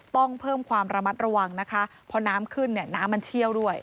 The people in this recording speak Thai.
ต้องเพิ่มความระมัดระวังนะคะพอน้ำขึ้นเนี่ยน้ำมันเชี่ยวด้วย